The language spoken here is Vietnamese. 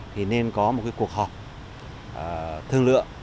thì nên có một cuộc họp thương lựa